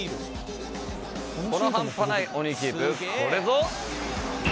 この半端ない鬼キープこれぞ！